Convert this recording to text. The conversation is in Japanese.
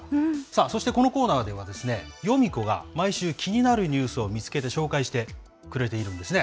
そしてこのコーナーでは、ヨミ子が毎週、気になるニュースを見つけて紹介してくれているんですね。